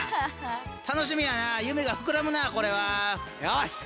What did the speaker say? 楽しみやな夢が膨らむなこれは。よし！